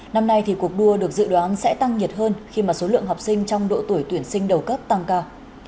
năm nay thì cuộc đua được dự đoán sẽ tăng nhiệt hơn khi mà số lượng học sinh trong độ tuổi tuyển sinh đầu cấp tăng cao